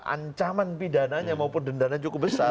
ancaman pidananya maupun dendanya cukup besar